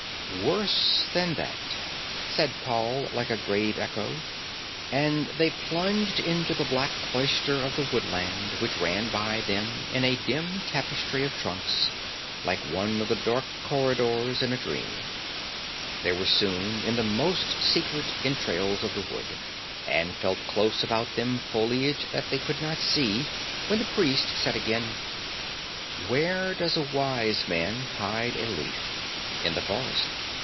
"Worse than that," said Paul like a grave echo. And they plunged into the black cloister of the woodland, which ran by them in a dim tapestry of trunks, like one of the dark corridors in a dream. They were soon in the most secret entrails of the wood, and felt close about them foliage that they could not see, when the priest said again: "Where does a wise man hide a leaf? In the forest.